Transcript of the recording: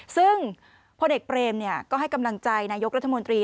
ซึ่งพลเอกเปรมก็ให้กำลังใจนายกรัฐมนตรี